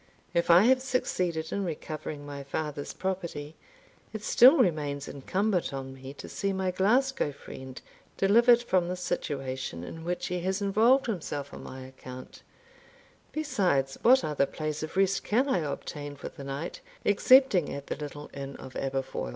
If I have succeeded in recovering my father's property, it still remains incumbent on me to see my Glasgow friend delivered from the situation in which he has involved himself on my account; besides, what other place of rest can I obtain for the night excepting at the little inn of Aberfoil?